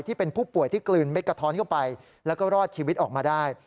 ที่เป็นผู้ป่วยที่กลืนเม็กกะท้อนเข้าไปแล้วก็รอดชีวิตออกมาได้